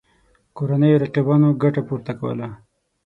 کورنیو رقیبانو ګټه پورته کوله.